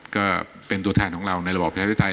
ก็เป็นตัวแทนของเราในระบบพิทธิ์ไตร